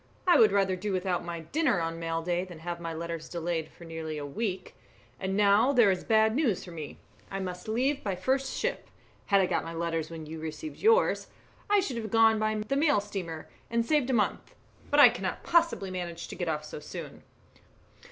I would rather do without my dinner on mail day than have my letters delayed for nearly a week. And now there is bad news for me, I must leave by the first ship. Had I got my letters when you received yours, I should have gone by the mail steamer and saved a month, but I cannot possibly manage to get off so soon."